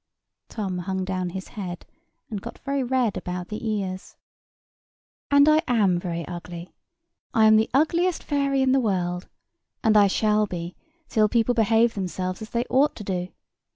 Tom hung down his head, and got very red about the ears. "And I am very ugly. I am the ugliest fairy in the world; and I shall be, till people behave themselves as they ought to do.